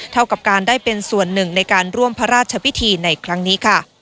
เท่ากับการได้เป็นส่วนหนึ่งในการร่วมพระราชพิธีในครั้งนี้ค่ะ